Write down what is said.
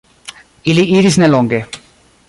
Ili iris nelonge.